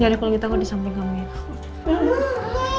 jangan aku lagi tangguh di samping kamu ya